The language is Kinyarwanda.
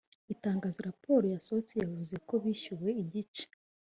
Itangazo Raporal yasohoye yavuze ko bishyuwe igice